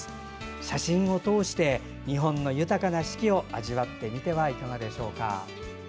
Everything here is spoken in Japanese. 写真を通して日本の豊かな四季を味わってみてはいかがでしょうか。